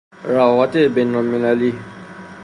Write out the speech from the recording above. روابط بین المللی